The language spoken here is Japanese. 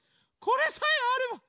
これさえあれば。